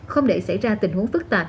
không để xảy ra tình huống phức tạp